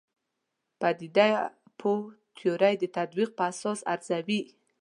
پدیده پوه تیورۍ د تطبیق په اساس ارزوي.